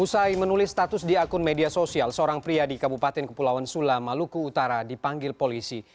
usai menulis status di akun media sosial seorang pria di kabupaten kepulauan sula maluku utara dipanggil polisi